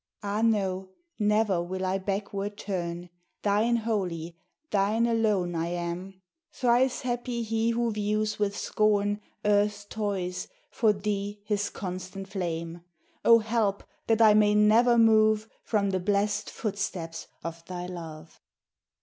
Ah! no; ne'er will I backward turn: Thine wholly, thine alone I am. Thrice happy he who views with scorn Earth's toys, for thee his constant flame. Oh! help, that I may never move From the blest footsteps of thy love.